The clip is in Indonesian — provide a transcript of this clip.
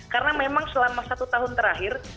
karena memang selama satu tahun terakhir